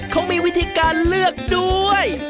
เขามีวิธีการเลือกด้วย